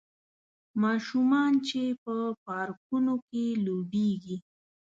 ماشومان چې په پارکونو کې لوبیږي